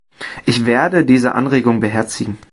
Ich werde diese Anregung beherzigen.